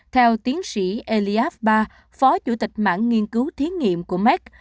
theo tiến sĩ elias ba phó chủ tịch mạng nghiên cứu thiết nghiệm của mec